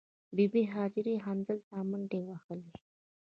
بې بي هاجرې همدلته منډې وهلې.